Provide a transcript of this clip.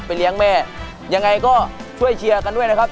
เลี้ยงแม่ยังไงก็ช่วยเชียร์กันด้วยนะครับ